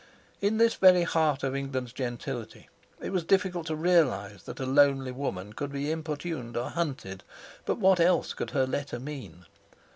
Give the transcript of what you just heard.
In this very heart of England's gentility it was difficult to realise that a lonely woman could be importuned or hunted, but what else could her letter mean?